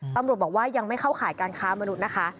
ตำรวจบอกว่ายังไม่เข้าข่ายการค้ามนุษย์นะคะ